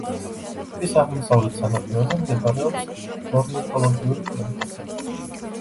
ტბის აღმოსავლეთ სანაპიროზე მდებარეობს ორნითოლოგიური კვლევითი ცენტრი.